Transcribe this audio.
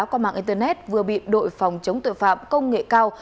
qua mạng internet vừa bị đội phòng chống tội phạm công nghệ cao